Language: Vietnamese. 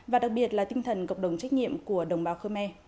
và đặc biệt là tinh thần cộng đồng trách nhiệm của đồng bào khơ me